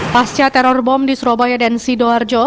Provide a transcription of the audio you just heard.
pasca teror bom di surabaya dan sidoarjo